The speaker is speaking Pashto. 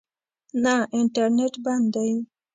نه، انټرنېټ بند دی